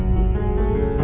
kamu hebat om